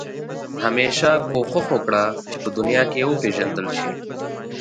همېشه کوښښ وکړه چې په دنیا کې وپېژندل شې.